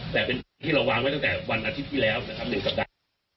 แต่เป็นที่เราวางไว้ตั้งแต่วันอาทิตย์ที่แล้วนะครับ๑สัปดาห์